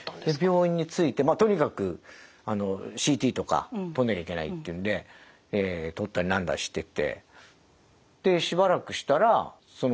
病院に着いてとにかくＣＴとか撮んなきゃいけないっていうんで撮ったりなんだりしてて。